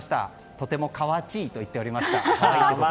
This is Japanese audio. とてもかわちいと言っておりました。